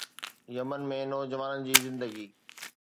Yemen ۾ نوجوانن جي زندگي